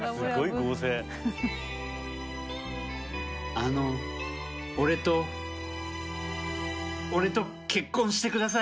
あの俺と俺と結婚して下さい！